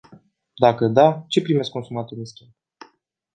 Dacă da, ce primesc consumatorii în schimb?